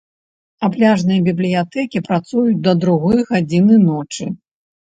А пляжныя бібліятэкі працуюць да другой гадзіны ночы.